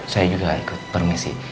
saya juga ikut permisi